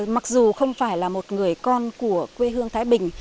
mặc dù không phải là một người con của quê hương thái bình